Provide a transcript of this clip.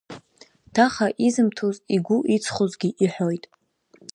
Ҭаха изымҭоз, игәы иҵхозгьы иҳәоит…